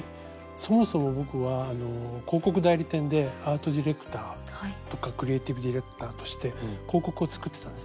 そもそも僕は広告代理店でアートディレクターとかクリエイティブディレクターとして広告を作ってたんですね。